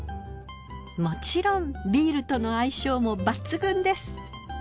もちろんビールとの相性も抜群です。